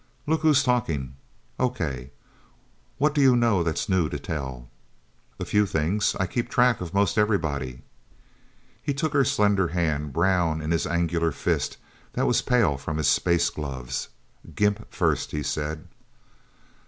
"Look who's talking. Okay what do you know that's new to tell?" "A few things. I keep track of most everybody." He took her slender hand, brown in his angular fist, that was pale from his space gloves. "Gimp, first," he said.